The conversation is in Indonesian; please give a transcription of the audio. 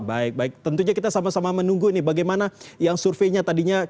baik baik tentunya kita sama sama menunggu ini bagaimana yang surveinya tadinya